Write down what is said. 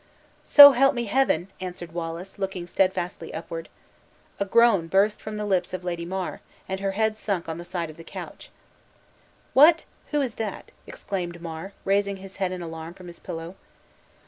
"So help me Heaven!" answered Wallace, looking steadfastly upward. A groan burst from the lips of Lady Mar, and her head sunk on the side of the couch. "What? Who is that?" exclaimed Mar, raising his head in alarm from his pillow.